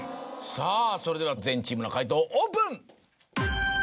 さぁそれでは全チームの解答をオープン。